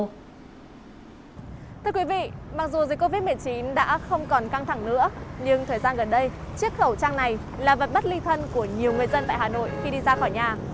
thưa quý vị mặc dù dịch covid một mươi chín đã không còn căng thẳng nữa nhưng thời gian gần đây chiếc khẩu trang này là vật bất ly thân của nhiều người dân tại hà nội khi đi ra khỏi nhà